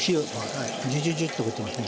ジュジュジュって音がします。